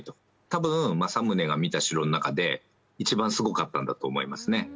多分、政宗が見た城の中で一番すごかったんだと思いますね。